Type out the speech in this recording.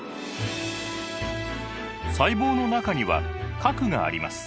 細胞の中には核があります。